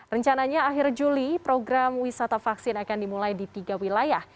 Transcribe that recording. rencananya akhir juli program wisata vaksin akan dimulai di tiga wilayah